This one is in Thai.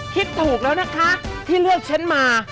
คิดถูกแล้วนะคะที่เลือกฉันมา